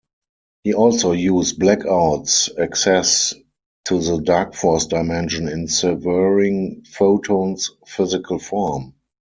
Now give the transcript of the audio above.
He also used Blackout's access to the Darkforce dimension in severing Photon's physical form.